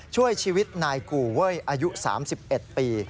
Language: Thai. ช่วยชีวิตนายกู่เว้ยอายุ๓๑ปี